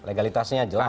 legalitasnya jelas ya